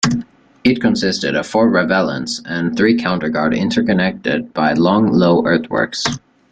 It consisted of four ravelins and three counter guard interconnected by long, low earthworks.